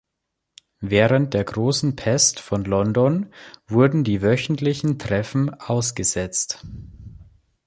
Während der Großen Pest von London wurden die wöchentlichen Treffen ausgesetzt.